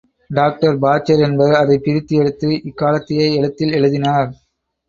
Doctor Badger என்பவர் அதைப் பிரித்து எடுத்து இக்காலத்திய எழுத்தில் எழுதினார்.